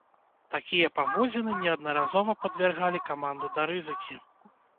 Такія паводзіны неаднаразова падвяргалі каманду да рызыкі.